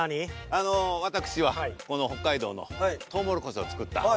あの私はこの北海道のトウモロコシを使った。